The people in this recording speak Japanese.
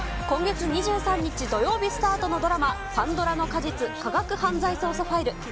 今月２３日土曜日スタートのドラマ、パンドラの果実・科学犯罪捜査ファイル。